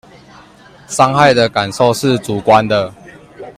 傷害的感受是主觀的